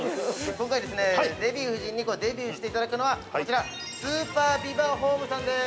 ◆今回ですね、デヴィ夫人にデビューしていただくのはこちらスーパービバホームさんです。